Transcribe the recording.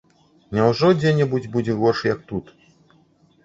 Няўжо дзе-небудзь будзе горш, як тут?